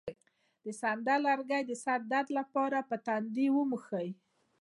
د سندل لرګی د سر د درد لپاره په تندي ومښئ